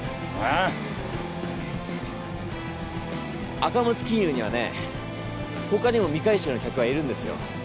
赤松金融にはね他にも未回収の客がいるんですよ。